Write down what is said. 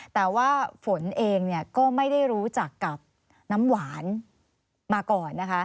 แต่ว่าฝนเองก็ไม่ได้รู้จักกับน้ำหวานมาก่อนนะคะ